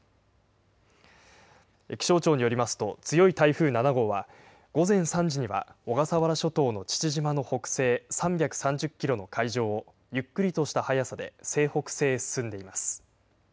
気象庁によりますと、強い台風７号は、午前３時には小笠原諸島の父島の北西３３０キロの海上をゆっくりとした速さで西北西へ進んでいます。